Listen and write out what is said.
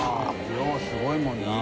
量すごいもんな。